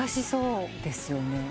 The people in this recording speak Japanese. そうですよね。